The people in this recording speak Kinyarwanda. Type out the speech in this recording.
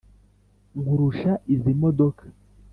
nkurusha izi modoka,